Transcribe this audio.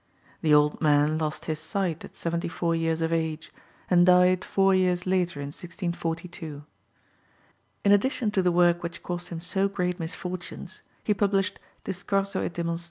The old man lost his sight at seventy four years of age, and died four years later in 1642. In addition to the work which caused him so great misfortunes he published _Discorso e Demonstr.